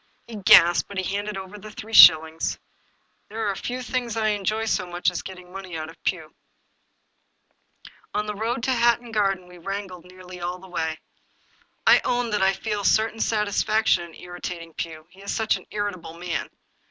He gasped, but he handed over the three shillings. There are few things I enjoy so much as getting money out of Pugh! 261 English Mystery Stories On the road to Hatton Garden we wrangled nearly all the way. I own that I feel a certain satisfaction in irritat ing Pugh, he is such an irritable man.